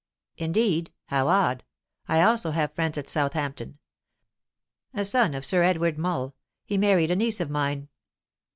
"Indeed? How odd! I also have friends at Southampton. A son of Sir Edward Mull; he married a niece of mine."